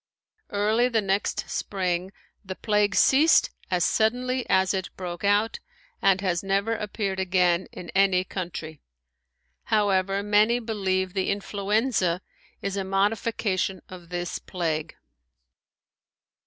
Early the next spring the plague ceased as suddenly as it broke out and has never appeared again in any country. However, many believe the "influenza" is a modification of this plague.